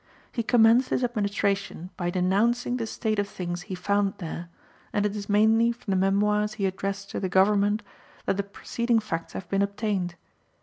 He commenced his administration by denouncing the state of things he found there, and it is mainly from the memoires he addressed to the government that the preceding facts have been obtained.